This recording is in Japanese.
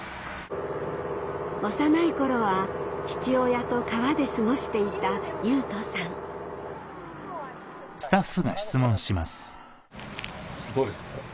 幼い頃は父親と川で過ごしていた雄翔さんどうですか？